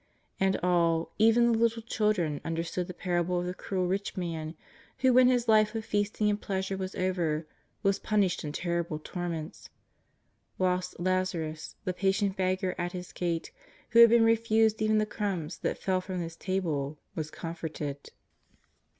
And all, even the little children, understood the parable of the cruel rich man who when his life of feasting and pleasure was over was punished in ter rible torments, whilst Lazarus, the patient beggar at his gate, who had been refused even the crumbs that fell from his table, was comforted.